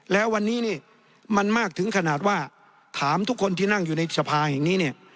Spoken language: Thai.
แล้ววันนี้เนี่ยมันมากถึงขนาดว่าถามทุกคนที่นั่งอยู่ในสภาแห่งนี้เนี่ย